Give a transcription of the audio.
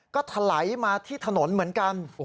ก็ถลายมาที่ถนนเหมือนกัน